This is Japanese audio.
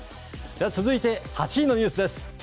続いて８位のニュースです。